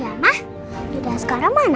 gak ada sekarang mana